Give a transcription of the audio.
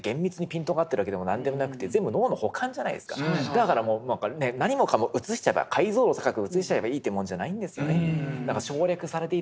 だから何もかも映しちゃえば解像度高く映しちゃえばいいってもんじゃないんですよね。